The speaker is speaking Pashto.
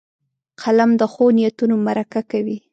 قلم د ښو نیتونو مرکه کوي